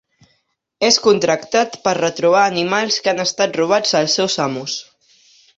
És contractat per a retrobar animals que han estat robats als seus amos.